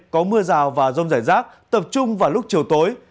có mưa rào và rông rải rác tập trung vào lúc chiều tối